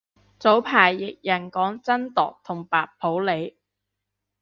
早排譯人講真鐸同白普理